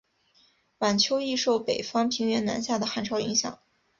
晚秋易受北方平原南下的寒潮影响。